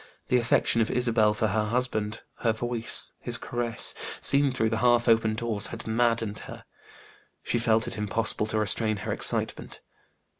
The affection of Isabel for her husband, her voice, his caresses seen through the half open doors had maddened her. She felt it impossible to restrain her excitement.